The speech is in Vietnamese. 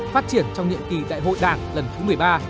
phát triển trong nhiệm kỳ đại hội đảng lần thứ một mươi ba